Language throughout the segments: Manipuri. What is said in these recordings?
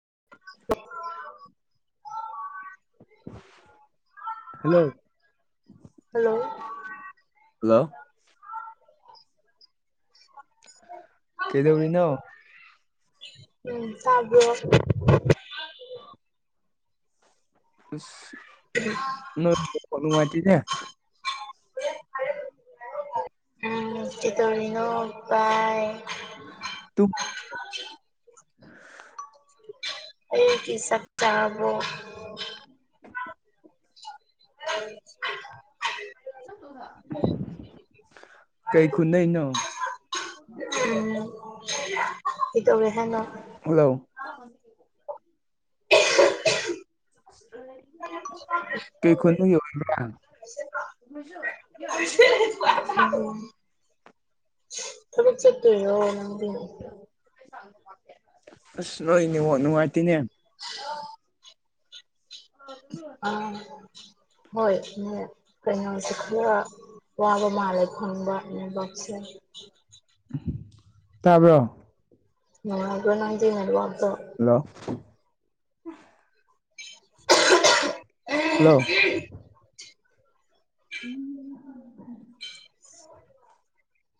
[inaudible] ꯍꯜꯂꯣ ꯍꯜꯂꯣ ꯍꯜꯂꯣ [inaudible] ꯀꯩꯗꯧꯔꯤꯅꯣ ꯎꯝ ꯇꯥꯕ꯭ꯔꯣ ꯅ ꯐꯂ ꯃꯥꯇꯤꯅꯦ ꯎꯝ ꯀ ꯇꯣꯔꯤꯅꯣ ꯥꯏ ꯇꯨꯡ ꯑꯩ ꯀ ꯁ ꯆꯥꯕꯣ ꯎꯝ ꯀꯩ ꯈꯨꯨꯅ ꯅ ꯎꯝ ꯏꯇꯋꯦ ꯍꯥꯏꯦꯅ [inaudible] ꯀꯩ ꯈꯨꯟ [inaudible] ꯊꯕꯛ ꯆꯠꯠꯇ ꯅꯪ ꯑꯁ ꯂꯣꯏ ꯅꯤꯉꯣ ꯅꯨꯡꯉꯥꯏꯇꯦꯅꯦ ꯑꯣ ꯑ ꯍꯣꯏ ꯀꯩꯅ ꯁ ꯋꯥ ꯃꯥꯜ ꯑꯦ ꯈꯣꯟꯕꯅꯤꯕꯥꯛꯁꯦ ꯇꯥꯕ꯭ꯔꯣ ꯅꯥꯏ ꯍꯥꯏꯉꯕꯣ ꯍꯜꯂꯣ ꯍꯜꯂꯣ ꯎꯝ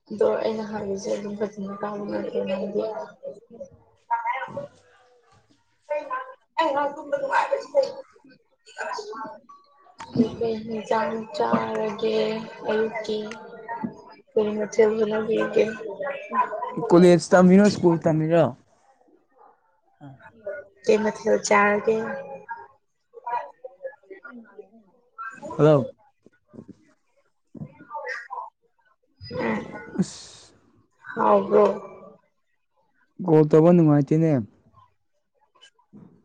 ꯑꯗꯣ ꯑꯩꯅ ꯍꯥꯏꯔꯤꯁꯦ ꯑꯗꯨꯝ ꯐꯖꯅ ꯀꯥꯕ ꯉꯝꯗꯦꯗꯤ ꯑꯅꯥ ꯊꯨꯝꯗꯪ ꯑꯩ ꯀꯩ ꯍꯖꯝ ꯆꯥꯔꯒꯦ ꯑꯩꯀꯤ ꯐꯃꯂꯒꯦ ꯀꯣꯂꯖ ꯇꯝꯔꯣ ꯁ꯭ꯀꯨꯜ ꯇꯝꯔꯣ ꯑ ꯑꯗꯨ ꯆꯔꯒꯦ ꯍꯜꯂꯣ ꯎꯝ ꯑꯁ ꯍꯕ ꯣꯜ ꯇꯧꯕ ꯅꯨꯡꯉꯥꯏꯇꯦꯅꯦꯦ ꯎꯝ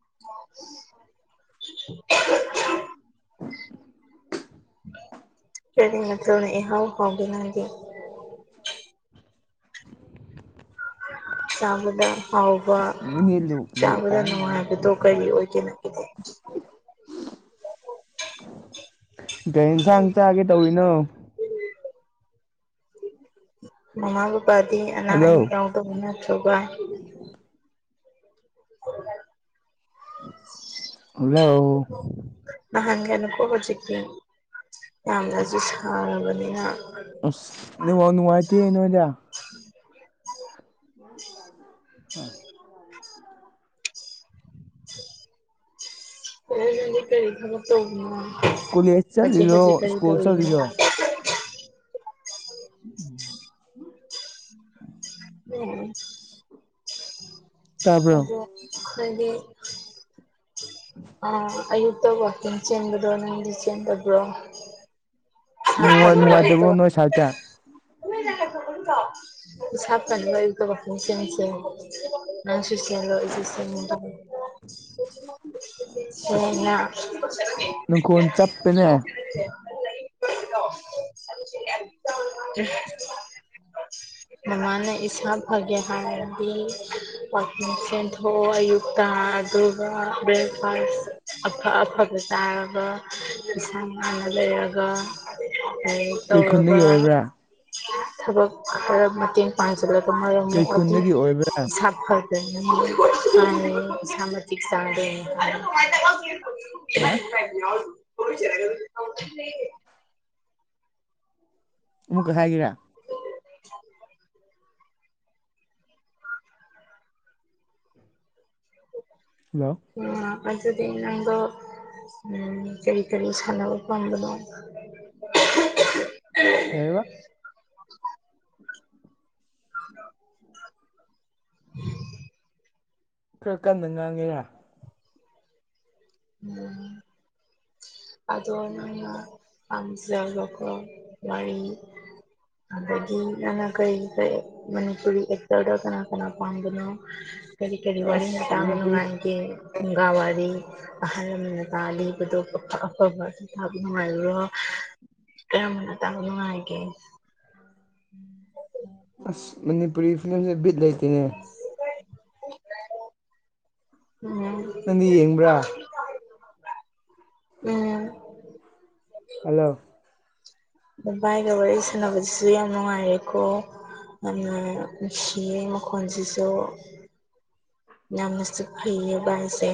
[unintelligible] ꯀꯅ ꯍꯥꯎ ꯍꯒ ꯅꯪꯗꯤ ꯆꯥꯕꯗ ꯍꯥꯎꯕ ꯃꯤꯅꯤ ꯂꯨꯖ ꯇ ꯆꯥꯕꯗ [unintelligible] ꯅꯨꯡꯉꯥꯏꯕꯗꯣ ꯀꯔꯤ ꯑꯣꯏꯒꯦ ꯅꯪꯒꯤꯗꯤ ꯀꯩ ꯏꯟꯁꯥꯡ ꯆꯥꯒꯦ ꯇꯧꯔꯤꯅꯣ ꯃꯃꯥ ꯕꯥꯗꯤ ꯑꯅꯥ ꯍꯜꯂꯣ ꯑꯌꯦꯛ ꯌꯥꯎꯗꯕꯅ ꯊꯧꯕꯥꯏ [unintelligible] ꯍꯜꯂ ꯍꯦꯟꯅ ꯀꯣ ꯍꯧꯖꯤꯀꯤ ꯌꯥꯝꯅꯁꯨ ꯁꯥꯔꯕꯅꯤꯅ ꯋꯥꯅꯨꯡꯉꯇꯤꯩꯅꯔ [unintelligible] ꯑꯥ ꯀꯅꯤ ꯀꯔꯔꯤꯈꯥ ꯇ ꯀꯣꯂꯦꯖ ꯍꯧꯖꯤꯛ ꯍꯧꯖꯤꯛ ꯆꯠꯂꯤꯔꯣ ꯀꯔꯤ ꯁ꯭ꯀꯨꯜ ꯇꯧꯔꯤꯅ ꯆꯠꯂꯤꯔꯣ ꯎꯝ ꯎꯝ ꯇꯥꯕ꯭ꯔꯣ ꯑꯗꯨ ꯍꯥꯏꯗꯤ ꯑꯥ ꯑꯌꯨꯛꯇ ꯋꯥꯋꯀꯤꯡ ꯆꯦꯟꯕꯗꯣ ꯅꯪꯗꯤ ꯆꯦꯟꯗꯕ꯭ꯔꯣ ꯅꯨꯡꯉꯥꯏ ꯅꯨꯡꯉꯥꯏꯇꯕ꯭ꯔꯣ ꯅꯣꯏ ꯁꯥꯏꯠꯇ ꯊ ꯄꯁꯥꯞ ꯀꯁꯁꯦ ꯅ ꯑꯁ ꯁꯁꯗꯁ ꯅꯪꯈꯣꯟ ꯆꯞꯄꯦꯅꯦ ꯍꯅ [unintelligible] [unintelligible] ꯃꯃꯥꯟ ꯏꯁꯥ ꯐꯒꯦ ꯍꯥꯏꯗꯤ ꯁꯦꯟꯊꯣ ꯑꯌꯨꯛꯇ ꯑꯗꯨꯒ ꯕ꯭ꯔꯦꯛꯐꯥꯁ ꯑꯐ ꯑꯐꯕ ꯇꯥꯔꯒ ꯄꯁꯥ ꯉꯅꯥꯅ ꯂꯩꯔꯒ ꯑ ꯀꯩ ꯈꯨꯟꯗꯒꯤ ꯇꯧꯔꯒ ꯑꯣꯏꯕ꯭ꯔꯥ ꯊꯕꯛ ꯈꯔ ꯃꯇꯦꯡ ꯄꯥꯡꯁꯤꯜꯂꯒ ꯀꯩ ꯃꯔꯝꯑꯗꯤ ꯈꯨꯟꯗꯒꯤ ꯑꯣꯏꯕ꯭ꯔꯥ ꯏꯁꯥ ꯐ ꯁꯃꯇꯛ ꯁꯥꯗ ꯍꯥ [unintelligible] ꯨꯀ ꯍꯥꯏꯒꯔ [unintelligible] ꯍꯜꯂꯣ ꯎ ꯑꯗꯨꯗꯤ ꯅꯪꯗ ꯀꯔꯤ ꯀꯔꯤ ꯁꯥꯟꯅꯕ ꯄꯥꯝꯕꯅꯣ ꯍꯕ ꯑ ꯎꯝ ꯈꯔ ꯀꯟꯅ ꯉꯥꯡꯉꯦꯔꯥ ꯎꯝ ꯑꯗꯅ ꯑ ꯆꯦꯜ ꯂꯀ ꯃꯔꯤ ꯑꯗꯒꯤ ꯅꯅ ꯀꯔꯤ ꯀ ꯃꯅꯤꯄꯨꯔꯤ ꯑꯦꯛꯇꯔꯗ ꯀꯅꯥ ꯀꯅꯥ ꯄꯥꯝꯕꯅꯣ ꯀꯔꯤ ꯀꯔꯤ ꯑꯁ ꯋꯥꯔꯤꯅꯇꯥꯕ ꯃꯅꯤꯄꯨꯔꯤ ꯅꯨꯡꯉꯥꯏꯒꯦ ꯨꯡꯒꯥ ꯋꯥꯔꯤ ꯑꯍꯜ ꯂꯃꯅ ꯇꯥꯂꯤꯕꯗꯣ ꯑꯐ ꯑꯐꯕ ꯊꯞ ꯅꯨꯡꯉꯥꯏꯔꯨꯔꯣ ꯀꯔꯝꯕꯅ ꯇꯥ ꯅꯨꯡꯉꯥꯏꯒꯦ ꯑꯁ ꯃꯅꯤꯄꯨꯔꯤ ꯐꯤꯂꯝ ꯤꯗ ꯂꯩꯇꯅꯦ ꯎꯝ ꯅꯪꯗꯤ ꯌꯦꯡꯕ꯭ꯔꯥ ꯎꯝ ꯍꯜꯂꯣ ꯕꯥꯏꯒ ꯋꯥꯔꯤ ꯁꯥꯟꯅꯕꯗꯁꯨ ꯌꯥꯝ ꯅꯨꯡꯉꯥꯏꯔꯦꯀꯣꯅ ꯁꯤ ꯃꯈꯣꯟꯁꯤꯁꯨ ꯅꯝꯅꯁꯨ ꯐꯩꯌꯦ ꯁꯦ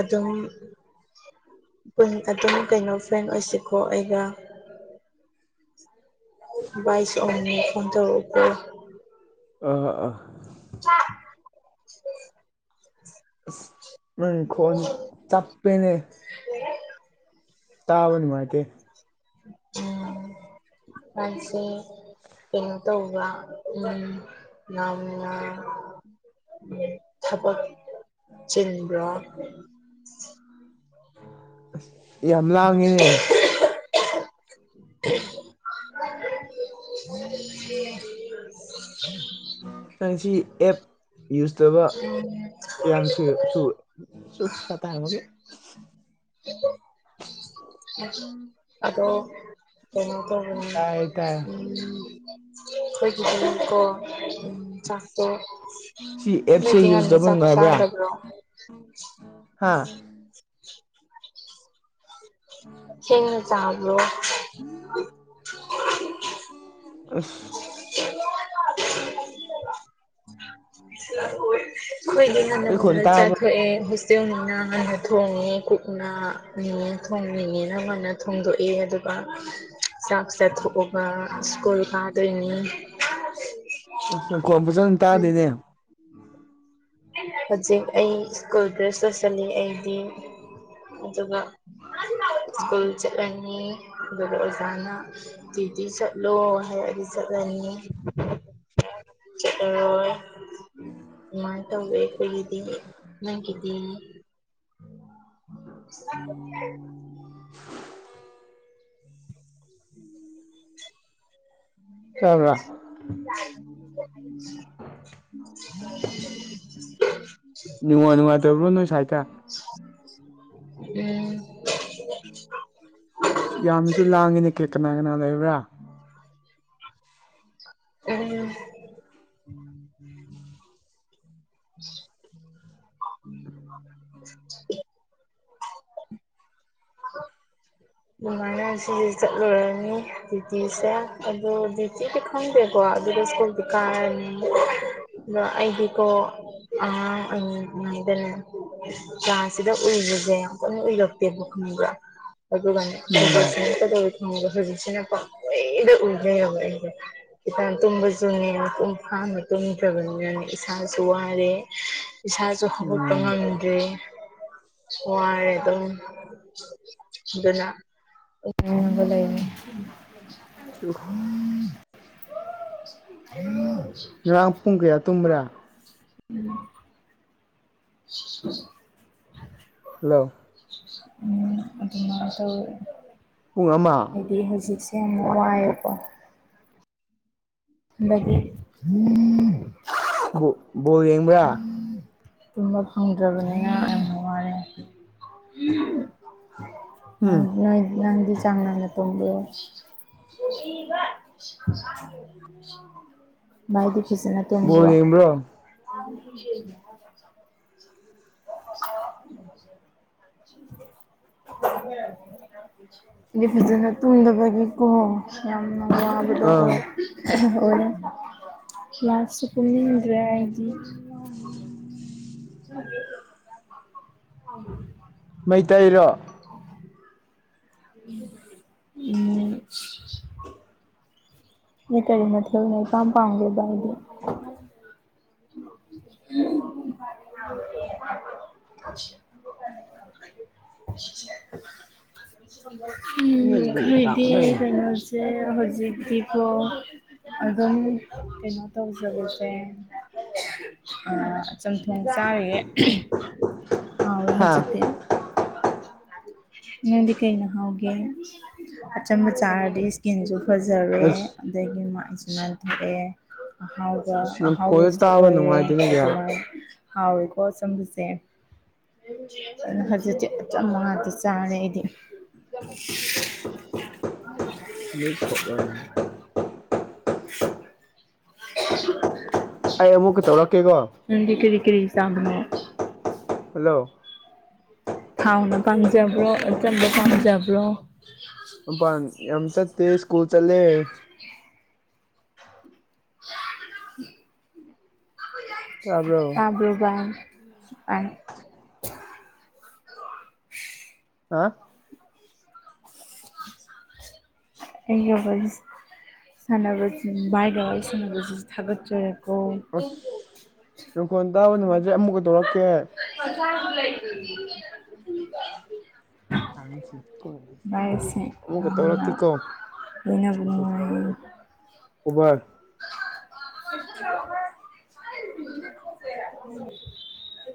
ꯑꯗꯨꯝ ꯑꯗꯨꯝ ꯀꯩꯅꯣ ꯐ꯭ꯔꯦꯟ ꯑꯣꯏꯁꯤ ꯀꯣ ꯑꯦꯒꯥ ꯏꯁ ꯑꯅꯤ ꯈꯟꯇꯔꯄꯔ ꯑ ꯑ ꯍ ꯎꯝ ꯈꯣꯟꯣꯟ ꯆꯞꯄꯦꯅꯦ ꯇꯥꯕꯅꯤ ꯃꯥꯇꯦ ꯎꯝ ꯐꯁꯤꯦ ꯀꯩꯅꯣꯇ ꯍꯕꯂ ꯎꯝ ꯅꯥꯟ ꯎꯝ ꯊꯕꯛ ꯆꯤꯟꯕ꯭ꯔꯣ ꯌꯥꯝ ꯂꯉꯅꯦ ꯍ [inaudible] ꯑꯥꯡ ꯁꯤ ꯑꯦꯞ ꯌꯨꯖ ꯇꯧꯕ ꯎꯝ ꯀꯌꯥꯝ ꯁꯨ ꯁ ꯁ ꯆ ꯇꯃꯒꯤꯦ ꯑ ꯑꯗꯣ ꯀꯩꯅꯣ ꯇꯅꯤ ꯇꯥꯏ ꯇꯥꯏ ꯎ ꯑꯩꯈꯣꯏꯒꯤ ꯀꯣ ꯎꯝ ꯆꯥꯛꯇ ꯁꯤ ꯂꯩ ꯑꯦꯞꯁꯦ ꯌꯨꯁ ꯊꯉꯅꯤ ꯆꯞ ꯆꯗꯕ꯭ꯔꯣ ꯍꯥꯥ ꯈꯅꯆꯥ ꯍ꯭ꯔꯣ ꯑꯁ ꯌꯥ ꯑꯩꯈꯣꯏꯒꯤ ꯑꯩ ꯈꯣꯟ ꯉꯟꯅꯅꯆꯥꯥ ꯇꯥꯕ꯭ꯔꯥ ꯊꯣꯛꯑꯦ ꯍꯣꯁꯃꯤꯅꯥ ꯊꯣꯡꯉꯦ ꯀꯣꯛꯅꯅꯤꯉ ꯊꯣꯡꯅꯤꯡꯉꯦꯅ ꯃꯥꯅ ꯊꯣꯡꯗꯣꯛꯏ ꯑꯗꯨꯒ ꯁꯥꯈꯁꯥꯠ ꯍꯕ ꯁꯀꯨꯜ ꯀꯗ꯭ꯅꯤ ꯇꯗꯅꯦ ꯍꯧꯖꯤꯛ ꯑꯩ ꯁ꯭ꯀꯨꯜ ꯗ꯭ꯔꯦꯁ ꯆꯥꯁꯤꯜꯂꯤ ꯑꯩꯗꯤ ꯑꯗꯨꯒ ꯁ꯭ꯀꯨꯜ ꯆꯠꯂꯅꯤ ꯑꯗꯨꯒꯗ ꯑꯣꯖꯥꯅ ꯇꯌꯇꯤ ꯆꯠꯂꯣ ꯍꯥꯏꯔꯗꯤ ꯆꯠꯂꯅꯤ ꯆꯠ ꯄꯅꯨꯡꯏ ꯃꯥ ꯇꯕꯦ ꯑꯣꯏꯗꯗꯤ ꯅꯪꯒꯗꯤ ꯑꯣ ꯀꯕ꯭ꯔ [unintelligible] ꯅꯨꯡꯉ ꯅꯨꯡꯉ ꯇꯕ꯭ꯔꯣ ꯅ ꯁꯥꯏꯠꯇ ꯎꯝ ꯌꯥꯝꯅꯁꯨ ꯂꯥꯡꯉꯤꯅꯦ ꯀꯦ ꯀꯅꯥ ꯀꯅꯥ ꯂꯩꯕ꯭ꯔꯥ ꯎꯝ [inaudible] ꯎꯝ [unintelligible] [inaudible] ꯑꯗꯨꯃꯥꯏꯅ ꯁꯤꯁꯦ ꯆꯠꯂꯨꯔꯅꯤ ꯗ꯭ꯌꯨꯇꯤꯁꯦ ꯑꯗꯣ ꯗ꯭ꯌꯨꯇꯤꯗꯤ ꯈꯪꯗꯦꯀꯣ ꯑꯗꯨ ꯏꯁꯀꯨꯜ ꯗꯨꯀꯥꯟ ꯑꯗꯤ ꯀꯧꯕ ꯑꯥ ꯑꯩ ꯃꯥꯏꯗꯅ ꯆꯥꯁꯤꯗ ꯎꯏꯔꯤꯁꯦ ꯀꯝ ꯎꯏꯔꯛꯇꯦꯕ ꯑꯗꯨꯒꯅꯤ ꯃ ꯎꯝ ꯁꯖꯤꯁꯤ ꯄꯦꯔ ꯎꯜꯌ ꯏꯇ ꯇꯨꯝꯕꯁꯨꯅꯦ ꯄꯨꯡ ꯐꯥꯅ ꯇꯨꯝꯗ꯭ꯔꯕꯅꯦꯅ ꯏꯁꯥꯁꯨ ꯋꯥ ꯔꯦ ꯏꯁꯥꯁꯨ ꯍꯧꯒꯠꯄ ꯎꯝ ꯉꯝꯃꯗ꯭ꯔꯦ ꯋꯥꯔꯦ ꯑꯗꯨꯅ ꯑꯒ ꯂꯩꯦ ꯔꯥꯡ ꯄꯨꯡꯀꯌꯥ ꯇꯨꯝ꯭ꯔꯥ ꯎꯝ [inaudible] ꯭ꯂ ꯎꯝ ꯑꯗꯨꯃ ꯄꯨꯡ ꯑꯃ ꯇꯗꯤꯖꯤ ꯌꯥꯝꯅꯨꯡ ꯋꯥꯑꯀꯣ ꯂꯩ ꯎꯝ ꯣ ꯌꯦꯡꯕ꯭ꯔꯥ ꯇꯨꯝꯕ ꯐꯪꯗ꯭ꯔꯕꯅꯤꯅ ꯌꯥꯝ ꯋꯥꯔꯦ ꯎꯝ ꯅꯪ ꯅꯣꯏ ꯅꯪꯗꯤ ꯆꯥꯡꯅꯥꯅ ꯇꯕꯤ ꯑꯣ ꯃꯥꯏꯗꯤ ꯐꯁꯤꯅ ꯕꯣꯜ ꯇꯗ ꯌꯦꯡꯕ꯭ꯔꯣ [inaudible] ꯐꯖꯅ ꯇꯨꯝꯗꯕꯒꯤꯀꯣ ꯌꯥꯝ ꯃꯃꯥꯡꯗꯗ ꯑꯥ ꯑꯣꯏ ꯂꯥꯁꯥꯁ ꯄꯨꯅꯤꯗ꯭ꯔꯦ ꯍꯥꯏꯗꯤ [inaudible] ꯃꯩꯇꯩꯔꯣ ꯎꯝ ꯅ ꯀꯔꯤ ꯃꯊꯦꯜꯅ ꯢꯄꯝ ꯄꯥꯝꯒꯦꯕ ꯍꯥ ꯏꯗꯤ ꯎꯝ ꯑꯩꯈꯣꯏꯗꯤ ꯀꯩꯅꯣꯁꯦ ꯍꯧꯖꯤꯛꯇꯤꯀꯣ ꯑꯗꯨꯝ ꯀꯩꯅꯣ ꯇꯧꯖꯕꯁꯦ ꯆꯝꯊꯣꯡ ꯆꯥꯔꯒꯦ ꯍꯥꯎꯔꯦ ꯍꯥ ꯍꯧꯖꯤꯛꯇꯤ ꯅꯪꯗꯤ ꯀꯩꯅ ꯍꯥꯎꯒꯦ ꯑꯆꯝꯕ ꯆꯥꯔꯗꯤ ꯏꯁꯀꯤꯟꯁꯨ ꯐꯖꯔꯦ ꯑꯁ ꯑꯗꯒꯤ ꯃꯥꯏꯁꯨ ꯅꯥꯟ ꯊꯣꯛꯑꯦ ꯑꯍꯥꯎꯕ ꯑꯍꯥꯎ ꯅꯈꯣꯟꯗꯣ ꯁꯇ ꯇꯥꯕ ꯑꯣꯏꯔꯦ ꯅꯨꯡꯉꯥꯏꯇꯦꯅꯦ ꯀꯌꯥ ꯑꯗꯨꯃꯥꯏ ꯍꯥꯎꯏꯀꯣꯁꯨꯝꯖꯁꯦ ꯍꯧꯖꯤꯗꯤ ꯆꯝ ꯃꯥ ꯆꯥꯔꯦꯗꯤ ꯎꯝ ꯎ ꯃꯤꯆꯞꯒ ꯑꯩ ꯑꯃꯨꯛꯀ ꯇꯧꯔꯛꯀꯦꯀꯣ ꯅꯗꯤ ꯀꯔꯤ ꯀꯔꯤ ꯁꯥꯡꯕꯅ ꯍꯜꯂꯣ ꯊꯥꯎꯅ ꯄꯥꯝꯖꯕ꯭ꯔꯣ ꯑꯆꯝꯕ ꯄꯥꯝꯖꯕ꯭ꯔꯣ ꯄ ꯌꯥꯝ ꯆꯥꯠꯇꯦ ꯁꯀꯨꯜ ꯆꯂ ꯇꯥꯕ꯭ꯔꯣ ꯇꯥꯕ꯭ꯔꯕꯥ ꯍꯥ ꯑꯩꯒꯕ ꯁꯥꯟꯅꯕꯁꯤꯡ ꯕꯥꯏꯒ ꯋꯥꯔꯤ ꯁꯥꯟꯅꯕꯁꯤ ꯊꯥꯒꯠꯆꯔꯦ ꯑꯁ ꯌꯪꯈꯣꯟ ꯇꯥꯕ ꯅꯨꯡꯉꯥꯏꯖ꯭ꯔꯩ ꯑꯃꯨꯛꯀ ꯇꯧꯔꯛꯀꯦ ꯆ [unintelligible] ꯂ ꯑꯃꯨ ꯚꯥꯏ ꯑꯁꯦ ꯀ ꯌꯥꯝꯅ ꯀ ꯀ ꯂꯣꯏꯅꯕ ꯅꯨꯡꯉꯥꯏꯌꯦ ꯎꯚꯔ [inaudible]